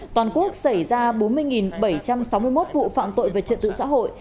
toàn quốc xảy ra bốn mươi bảy trăm sáu mươi một vụ phạm tội về trật tự xã hội